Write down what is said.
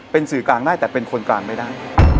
เป็นสื่อกลางได้แต่เป็นคนกลางไม่ได้